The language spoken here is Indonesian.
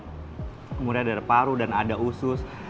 kemudian ada paru dan ada usus